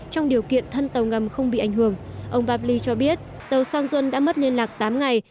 trong điều kiện thân tàu ngầm không bị ảnh hưởng ông babli cho biết tàu sanson đã mất liên lạc tám ngày